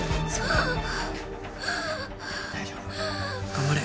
頑張れ。